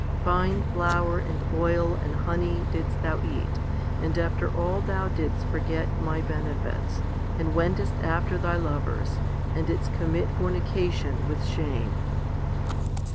Fine flour and oil and honey didst thou eat, and after all thou didst forget My benefits, and wentest after thy lovers, and didst commit fornication with shame.